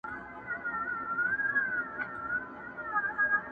زه قاسم یار چي تل ډېوه ستایمه.